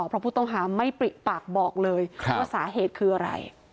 เพราะผู้ต้องหาไม่ปริปากบอกเลยว่าสาเหตุคืออะไร